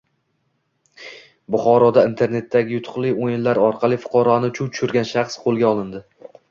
Buxoroda internetdagi yutuqli o‘yinlar orqali fuqaroni chuv tushirgan shaxs qo‘lga olindi